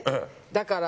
だから。